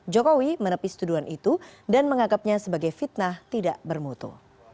jokowi menepis tuduhan itu dan menganggapnya sebagai fitnah tidak bermutu